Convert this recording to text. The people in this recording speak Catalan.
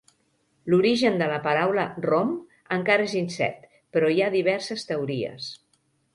L’origen de la paraula rom encara és incert, però hi ha diverses teories.